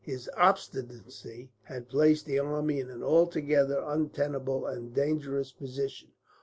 His obstinacy had placed the army in an altogether untenable and dangerous position.